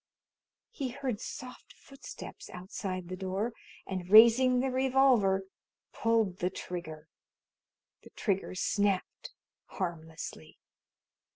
He heard soft footsteps outside the door, and, raising the revolver, pulled the trigger. The trigger snapped harmlessly.